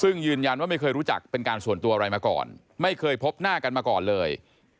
ซึ่งยืนยันว่าไม่เคยรู้จักเป็นการส่วนตัวอะไรมาก่อนไม่เคยพบหน้ากันมาก่อนเลย